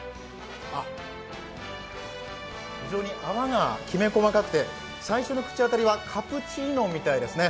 泡がきめ細かくて最初の口当たりはカプチーノみたいですね。